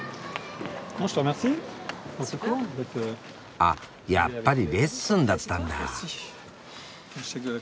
あっやっぱりレッスンだったんだ。